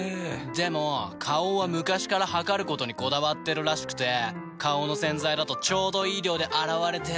でも花王は昔から量ることにこだわってるらしくて花王の洗剤だとちょうどいい量で洗われてるなって。